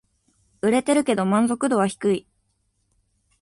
売れてるけど満足度は低い